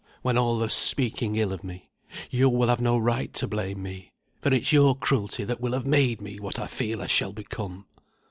when all are speaking ill of me, yo will have no right to blame me, for it's your cruelty that will have made me what I feel I shall become."